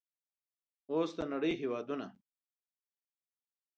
اوس د نړۍ ټول هیوادونه